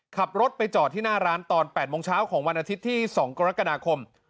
ขับรถไปจอดที่หน้าร้านตอน๘โมงเช้าของวันอาทิตย์ที่๒กรกฎาคม